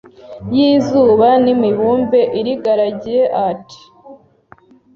y’izuba n’imibumbe irigaragiye at